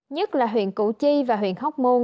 nhất là huyện củ chi và huyện hóc môn